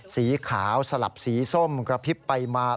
สีขาวสลับสีส้มกระพริบไปมา